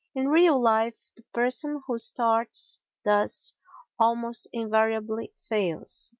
In real life the person who starts thus almost invariably fails.